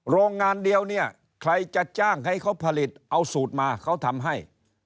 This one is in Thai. โรงงานเดียวเนี่ยใครจะจ้างให้เขาผลิตเอาสูตรมาเขาทำให้